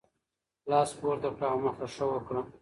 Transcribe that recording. لاس پورته کړه او مخه ښه وکړه.